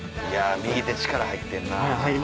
右手力入ってんな。